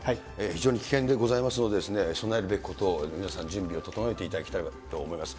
非常に危険でございますので、備えるべきことを、皆さん準備を整えていただきたいと思います。